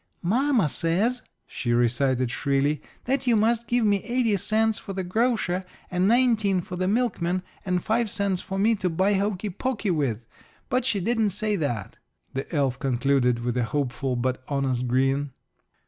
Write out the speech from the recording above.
"Mamma says," she recited shrilly, "that you must give me eighty cents for the grocer and nineteen for the milkman and five cents for me to buy hokey pokey with but she didn't say that," the elf concluded, with a hopeful but honest grin.